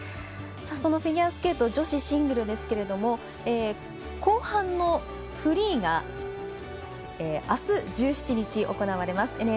そのフィギュアスケート女子シングルですけれども後半のフリーがあす、１７日、行われます。